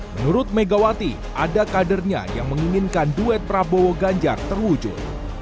menurut megawati ada kadernya yang menginginkan duet prabowo ganjar terwujud